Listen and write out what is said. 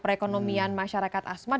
perekonomian masyarakat asmat